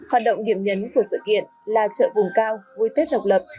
hoạt động điểm nhấn của sự kiện là chợ vùng cao vui tết độc lập